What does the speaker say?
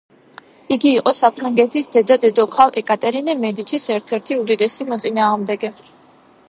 იგი იყო საფრანგეთის დედა დედოფალ ეკატერინე მედიჩის ერთ-ერთი უდიდესი მოწინააღმდეგე.